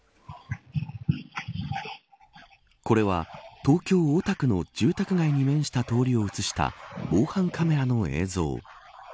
これは、東京、大田区の住宅街に面した通りを映した防犯カメラの映像。